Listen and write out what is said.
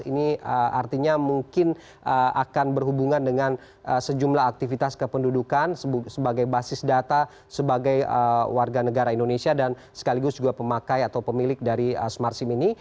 ini artinya mungkin akan berhubungan dengan sejumlah aktivitas kependudukan sebagai basis data sebagai warga negara indonesia dan sekaligus juga pemakai atau pemilik dari smart sim ini